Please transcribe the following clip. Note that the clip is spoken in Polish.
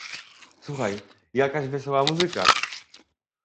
"Słuchaj, jakaś wesoła muzyka!"